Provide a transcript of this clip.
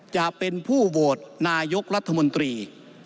จะเป็นผู้โหวตนายกรัฐมนตรี